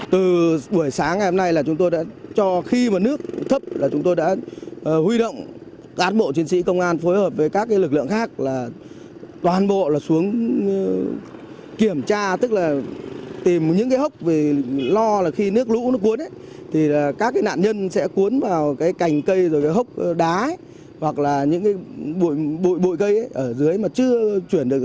từ buổi sáng ngày hôm nay là chúng tôi đã cho khi mà nước thấp là chúng tôi đã huy động cán bộ chiến sĩ công an phối hợp với các lực lượng khác là toàn bộ là xuống kiểm tra tức là tìm những cái hốc vì lo là khi nước lũ nó cuốn thì các nạn nhân sẽ cuốn vào cái cành cây rồi cái hốc đá hoặc là những cái bụi cây ở dưới mà chưa chuyển được